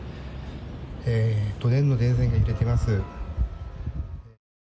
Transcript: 都電の電線が揺れています。